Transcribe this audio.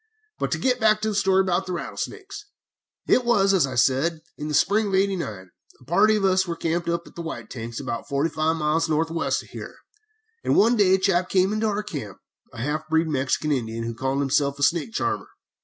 But to get back to the story about rattlesnakes: "It was, as I said, in the spring of '89, a party of us were camped at the White Tanks about forty five miles north west of here, and one day a chap came into our camp, a half breed Mexican Indian, who called himself a snake charmer.